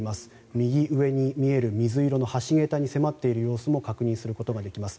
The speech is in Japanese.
右上に見える水色の橋桁に迫っている様子も確認できます。